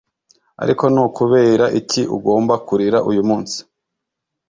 ariko ni ukubera iki ugomba kurira uyu munsi